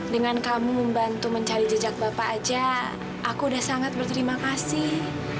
dengan kamu membantu mencari jejak bapak aja aku udah sangat berterima kasih